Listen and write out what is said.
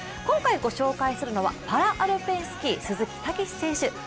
今回ご紹介するのはパラアルペンスキー鈴木猛史選手。